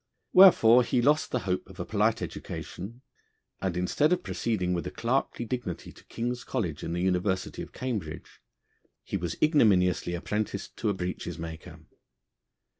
Wherefore he lost the hope of a polite education, and instead of proceeding with a clerkly dignity to King's College, in the University of Cambridge, he was ignominiously apprenticed to a breeches maker.